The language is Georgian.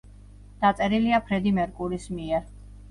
დაწერილია ფრედი მერკურის მიერ.